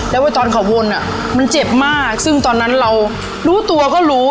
แล้วว่าตอนเขาวนอ่ะมันเจ็บมากซึ่งตอนนั้นเรารู้ตัวก็รู้